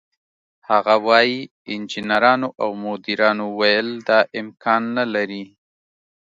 هغه وايي: "انجنیرانو او مدیرانو ویل دا امکان نه لري،